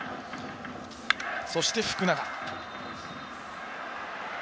そして福永。